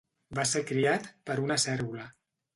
Va ser criat per una cérvola.